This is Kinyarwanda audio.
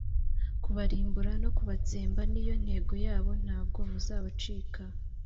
Kubarimbura no kubatsemba niyo ntego yabo ntabwo muzabacika